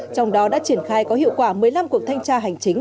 trong đó đã triển khai có hiệu quả một mươi năm cuộc thanh tra hành chính